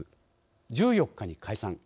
１４日に解散。